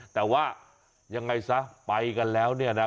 แต่ว่ายังไงซะไปกันแล้วเนี่ยนะ